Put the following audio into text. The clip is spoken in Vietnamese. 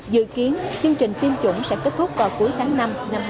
dự kiến chương trình tiêm chủng sẽ kết thúc vào cuối tháng năm năm hai nghìn một mươi sáu